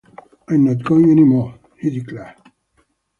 “I’m not going any more,” he declared.